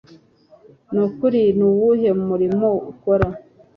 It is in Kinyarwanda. Nukuri ni uwuhe murimo ukora?